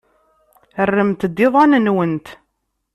Rremt-d iḍan-nwent.